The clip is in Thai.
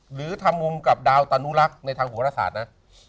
หรือทำมุมกับดาวตานุรักษ์ในทางหัวรศาสตร์นะ